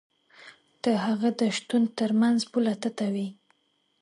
د هغه د شتون تر منځ پوله تته وي.